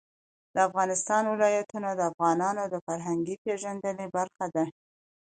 د افغانستان ولايتونه د افغانانو د فرهنګي پیژندنې برخه ده.